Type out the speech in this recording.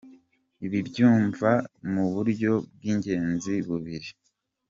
Ibi mbyumva mu buryo bw’ingenzi bubiri:.